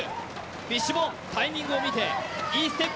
フィッシュボーンタイミングを見ていいステップ。